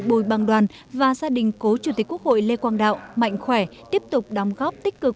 bùi bằng đoàn và gia đình cố chủ tịch quốc hội lê quang đạo mạnh khỏe tiếp tục đóng góp tích cực